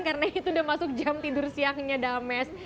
karena itu udah masuk jam tidur siangnya dames